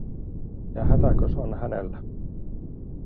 Ja hätäkös on hänellä.